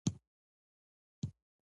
سپېدې چاودلې وې او د سهار نسیم لګېده.